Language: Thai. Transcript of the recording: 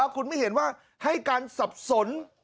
คุณไม่เห็นว่าให้การสับสน